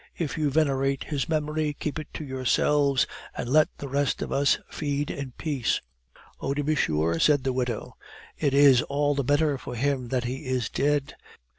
If you venerate his memory, keep it to yourselves, and let the rest of us feed in peace." "Oh, to be sure," said the widow, "it is all the better for him that he is dead.